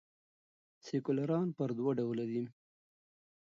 سیکولران پر دوه ډوله دي.